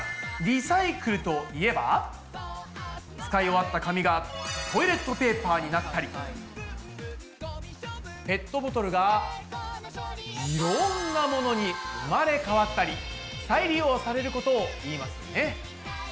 リサイクルといえば使い終わった紙がトイレットペーパーになったりペットボトルがいろんなものに生まれ変わったり再利用されることを言いますよね。